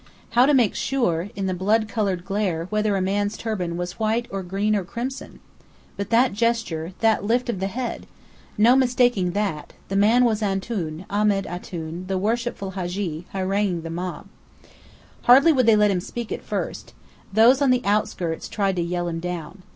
How to make sure, in the blood coloured glare, whether a man's turban was white or green or crimson? But that gesture that lift of the head! No mistaking that. The man was Antoun Ahmed Antoun, the worshipful Hadji, haranguing the mob. Hardly would they let him speak at first. Those on the outskirts tried to yell him down.